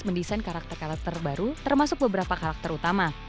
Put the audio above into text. mendesain karakter karakter baru termasuk beberapa karakter utama